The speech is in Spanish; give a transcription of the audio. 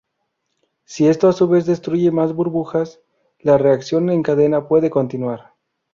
Si esto a su vez destruye más burbujas, la reacción en cadena puede continuar.